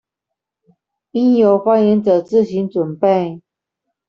應由發言者自行準備